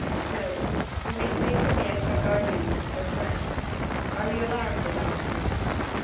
"No. You may speak to me as her guardian and her friend. Are you alarmed about her?"